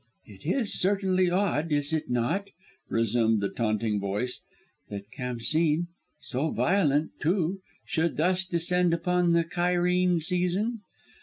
"It is certainly odd, is it not," resumed the taunting voice, "that Khamsîn, so violent, too, should thus descend upon the Cairene season?